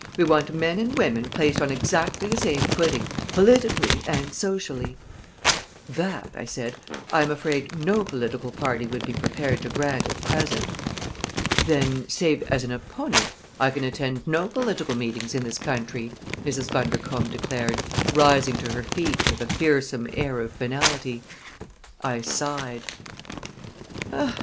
We want men and women placed on exactly the same footing, politically and socially." "That," I said, "I am afraid no political party would be prepared to grant at present." "Then, save as an opponent, I can attend no political meetings in this country," Mrs. Bundercombe declared, rising to her feet with a fearsome air of finality. I sighed.